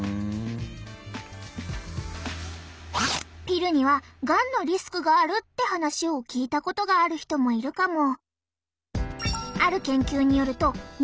ピルにはがんのリスクがあるって話を聞いたことがある人もいるかも。